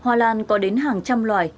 hoa lan có đến hàng trăm loài